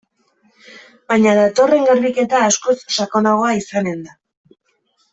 Baina datorren garbiketa askoz sakonagoa izanen da.